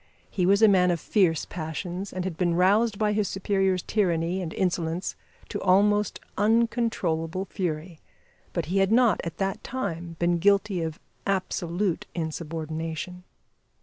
He was a man of fierce passions, and had been roused by his superior's tyranny and insolence to almost uncontrollable fury; but he had not at that time been guilty of absolute insubordination.